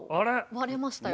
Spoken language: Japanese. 割れましたよまた。